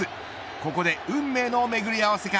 ここで、運命のめぐり合わせが。